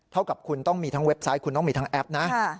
เท่ากับคุณต้องมีทั้งเว็บไซต์คุณต้องมีทั้งแอปนะ